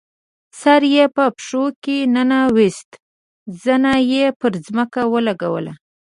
سر یې په پښو کې ننویست، زنه یې پر ځمکه ولګوله.